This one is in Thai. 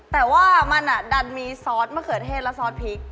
แต่ว่ามันดันมีซอสมะเขือเทศและซอสพริก